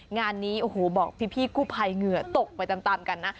งานนี้โอ้โหบอกพี่กู้ภัยเหงื่อตกไปตามกันนะ